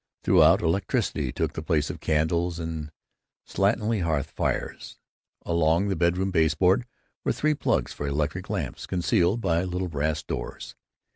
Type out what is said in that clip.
Throughout, electricity took the place of candles and slatternly hearth fires. Along the bedroom baseboard were three plugs for electric lamps, concealed by little brass doors.